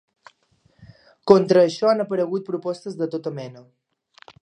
Contra això han aparegut propostes de tota mena.